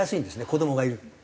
子どもがいると。